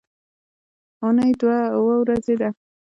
اونۍ اووه ورځې ده